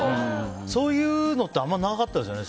そういうのってあまりなかったですよね。